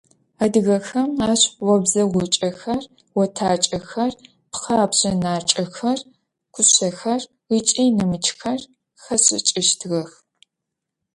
Адыгэхэм ащ обзэгъукӏэхэр, отакӏэхэр, пхъэӏэбжъэнакӏэхэр, кушъэхэр ыкӏи нэмыкӏхэр хашӏыкӏыщтыгъэх.